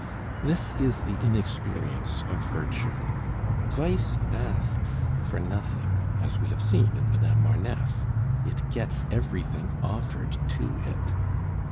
This is the inexperience of virtue. Vice asks for nothing, as we have seen in Madame Marneffe; it gets everything offered to it.